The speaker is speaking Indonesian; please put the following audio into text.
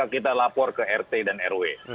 kita lapor ke rt dan rw